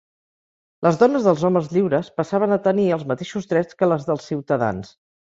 Les dones dels homes lliures passaven a tenir els mateixos drets que les dels ciutadans.